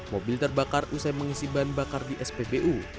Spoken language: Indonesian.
mobil terbakar usai mengisi bahan bakar di spbu